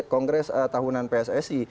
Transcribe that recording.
kongres tahunan pssi